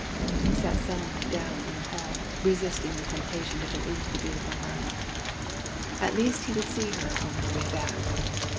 He sat sullenly down in the hall, resisting the temptation to go into the beautiful night. At least he would see her on her way back.